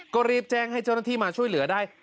ก็รีบแจ้งให้เจ้าหน้าที่มาช่วยเหลือได้